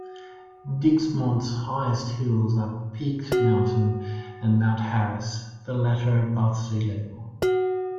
Dixmont's highest hills are Peaked Mountain and Mount Harris, the latter above sea level.